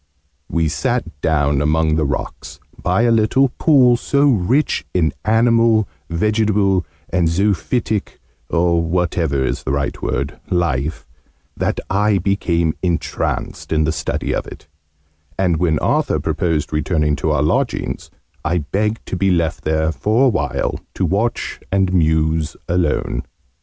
We sat down among the rocks, by a little pool, so rich in animal, vegetable, and zoophytic or whatever is the right word life, that I became entranced in the study of it, and, when Arthur proposed returning to our lodgings, I begged to be left there for a while, to watch and muse alone.